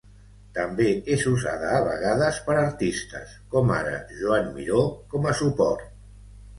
També és usada a vegades per artistes, com ara Joan Miró, com a suport.